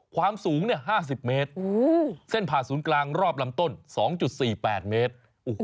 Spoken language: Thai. ความสูง๕๐เมตรเส้นผ่าศูนย์กลางรอบลำต้น๒๔๘เมตร